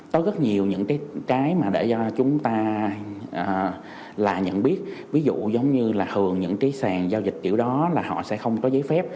có rất nhiều những cái mà để cho chúng ta là nhận biết ví dụ giống như là hường những cái sàn giao dịch kiểu đó là họ sẽ không có giấy phép